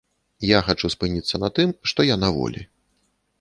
Я хачу спыніцца на тым, што я на волі.